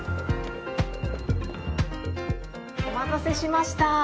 お待たせしました。